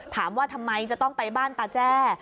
ถามว่าทำไมจะต้องไปบ้านตาแจ้